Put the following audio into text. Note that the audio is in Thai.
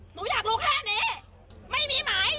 หนูอยากรู้แค่นี้ไม่มีหมาย